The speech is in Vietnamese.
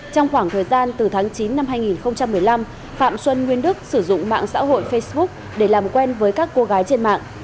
trong khoảng thời gian từ tháng chín năm hai nghìn một mươi năm phạm xuân nguyên đức sử dụng mạng xã hội facebook để làm quen với các cô gái trên mạng